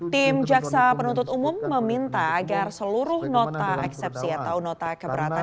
tim jaksa penuntut umum meminta agar seluruh nota eksepsi atau nota keberatan